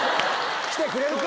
来てくれるか⁉